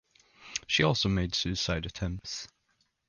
She had also made suicide attempts.